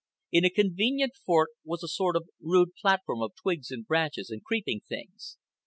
In a convenient fork was a sort of rude platform of twigs and branches and creeping things.